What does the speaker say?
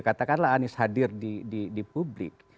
katakanlah anies hadir di publik